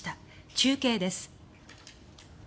中継です。